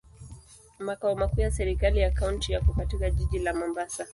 Makao makuu ya serikali ya kaunti yako katika jiji la Mombasa.